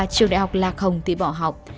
trường đại học lạc hồng thì bỏ học